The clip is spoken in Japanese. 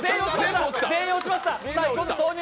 全員落ちました。